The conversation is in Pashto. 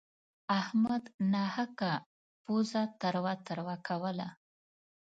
احمد ناحقه پزه تروه تروه کوله.